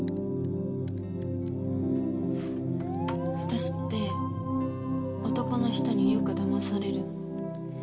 私って男の人によくだまされるの。